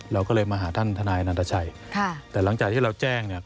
เราก็เลยมาหาท่านทนายนันตชัยแต่หลังจากที่เราแจ้งเนี่ย